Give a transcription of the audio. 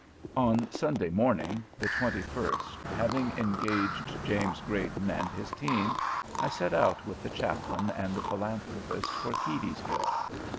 On Sunday morning, the twenty first, having engaged James Grayden and his team, I set out with the Chaplain and the Philanthropist for Keedysville.